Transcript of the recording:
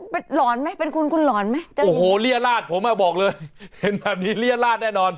เป็นหลอนไหมเป็นคุณคุณหลอนไหมโอ้โหเรียราชผมอ่ะบอกเลยเห็นแบบนี้เรียราชแน่นอน